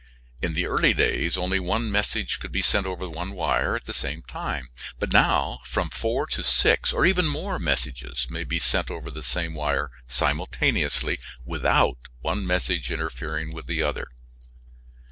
In the early days only one message could be sent over one wire at the same time, but now from four to six or even more messages may be sent over the same wire simultaneously without one message interfering with the other.